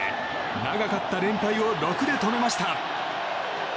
長かった連敗を６で止めました。